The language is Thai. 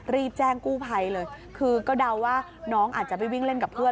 รีบแจ้งกู้ภัยเลยคือก็เดาว่าน้องอาจจะไปวิ่งเล่นกับเพื่อน